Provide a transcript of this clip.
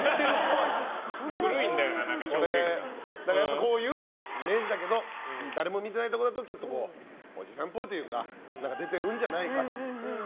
こういうイメージだけど誰も見てないところだとちょっとこう、おじさんっぽいというか出てるんじゃないか。